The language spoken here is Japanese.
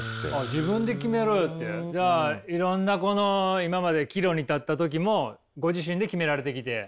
じゃあいろんなこの今まで岐路に立った時もご自身で決められてきて。